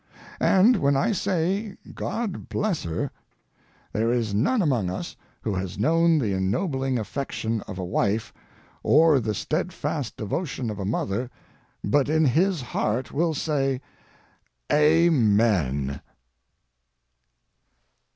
And when I say, God bless her, there is none among us who has known the ennobling affection of a wife, or the steadfast devotion of a mother but in his heart will say, Amen!